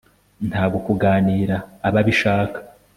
Ntabwo kuganira aba abishaka